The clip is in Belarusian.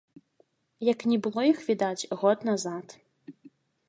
Як не было іх відаць год назад.